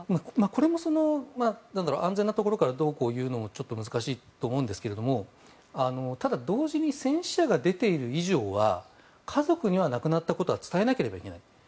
これも安全なところからどうこう言うのもちょっと難しいと思うんですがただ、同時に戦死者が出ている以上は家族には亡くなったことは伝えなければいけない。